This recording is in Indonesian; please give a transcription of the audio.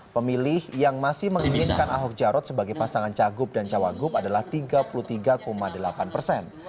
pemilih yang masih menginginkan ahok jarot sebagai pasangan cagup dan cawagup adalah tiga puluh tiga delapan persen